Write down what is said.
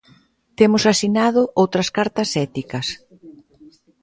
Temos asinado outras cartas éticas.